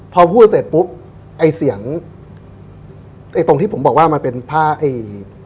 พอพูดเสร็จปุ๊บไอ้เสียงไอ้ตรงที่ผมบอกว่ามันเป็นผ้าไอ้